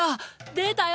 出たよ